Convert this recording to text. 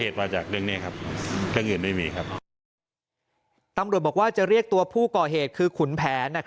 ตำรวจบอกว่าจะเรียกตัวผู้ก่อเหตุคือขุนแผน